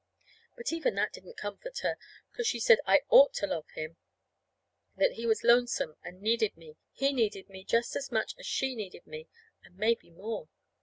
But even that didn't comfort her, 'cause she said I ought to love him. That he was lonesome and needed me. He needed me just as much as she needed me, and maybe more.